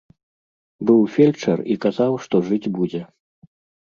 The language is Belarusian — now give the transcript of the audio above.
Быў фельчар і казаў, што жыць будзе.